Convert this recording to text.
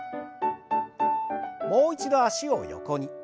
もう一度脚を横に。